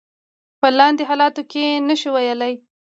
په لاندې حالاتو کې نشو ویلای.